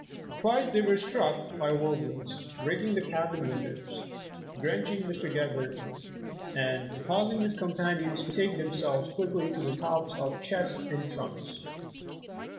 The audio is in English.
Twice they were struck by whirlwinds, breaking the cabin windows, drenching Mr. Gebhard, and cans ing his companions to betake themselves quickly to the tops of chests and trunks.